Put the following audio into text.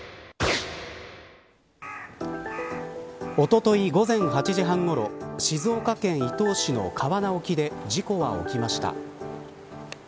おととい午前８時半ごろ静岡県伊東市の川奈沖で事故は起きました。